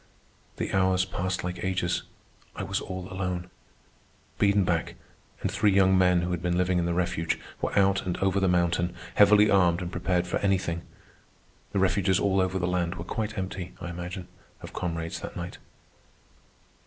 The hours passed like ages. I was all alone. Biedenbach, and three young men who had been living in the refuge, were out and over the mountain, heavily armed and prepared for anything. The refuges all over the land were quite empty, I imagine, of comrades that night.